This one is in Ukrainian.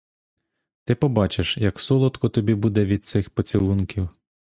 Ти побачиш, як солодко тобі буде від цих поцілунків.